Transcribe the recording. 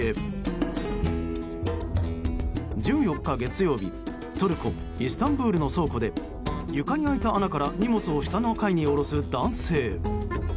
１４日、月曜日トルコ・イスタンブールの倉庫で床に開いた穴から荷物を下の階に下ろす男性。